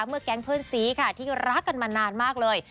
แก๊งเพื่อนซีค่ะที่รักกันมานานมากเลย